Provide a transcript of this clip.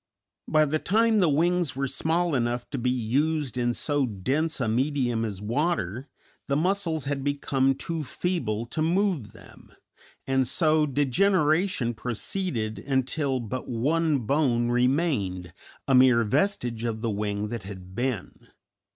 By the time the wings were small enough to be used in so dense a medium as water the muscles had become too feeble to move them, and so degeneration proceeded until but one bone remained, a mere vestige of the wing that had been.